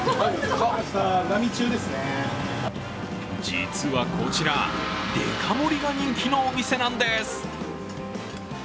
実はこちら、デカ盛りが人気のお店なんです。